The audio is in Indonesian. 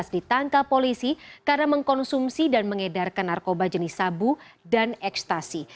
ditangkap polisi karena mengkonsumsi dan mengedarkan narkoba jenis sabu dan ekstasi